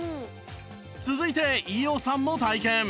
続いて伊代さんも体験！